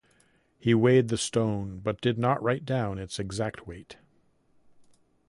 He weighed the stone, but did not write down its exact weight.